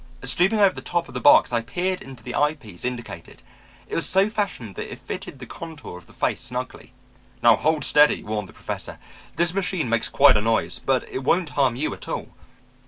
"Stooping over the top of the box I peered into the eye piece indicated. It was so fashioned that it fitted the contour of the face snugly. "'Now hold steady,' warned the Professor. 'This machine makes quite a noise, but it won't harm you at all.'